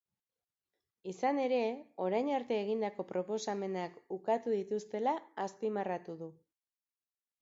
Izan ere, orain arte egindako proposamenak ukatu dituztela azpimarratu du.